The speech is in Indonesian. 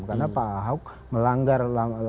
karena pak ahok melanggar